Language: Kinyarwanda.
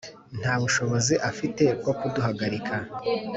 Nta bushobozi afite bwo kuduhagarika